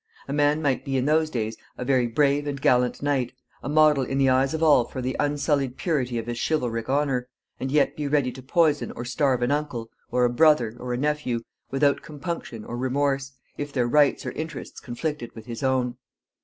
A man might be in those days a very brave and gallant knight, a model in the eyes of all for the unsullied purity of his chivalric honor, and yet be ready to poison or starve an uncle, or a brother, or a nephew, without compunction or remorse, if their rights or interests conflicted with his own.